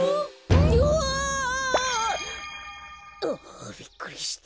どわ！あびっくりした。